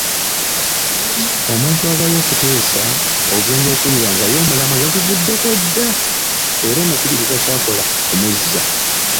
Omuntu avaayo okuteesa ogenda okuwulira nga ye omulamwa yaguvuddeko dda era omukubiriza ky'akola kumuzza.